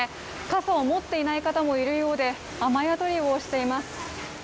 傘を持っていない方もいるようで雨宿りをしています。